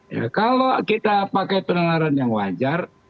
ya kalau kita pakai penelaran yang wajar